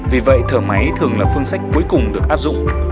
vì vậy thở máy thường là phương sách cuối cùng được áp dụng